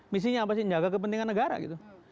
misinya apa sih jaga kepentingan negara gitu